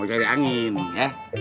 mau cari angin ya